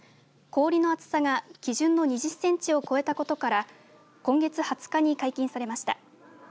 氷の厚さが基準の２０センチを超えたことから今月２０日に解禁されました。